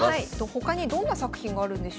他にどんな作品があるんでしょうか。